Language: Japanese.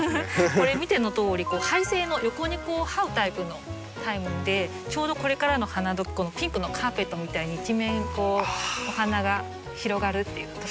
これ見てのとおり這い性の横に這うタイプのタイムでちょうどこれからの花時ピンクのカーペットみたいに一面お花が広がるっていう